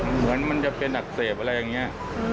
เหมือนมันจะเป็นอักเสบอะไรอย่างนี้